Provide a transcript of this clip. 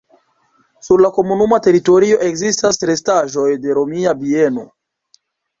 Sur la komunuma teritorio ekzistas restaĵoj de romia bieno.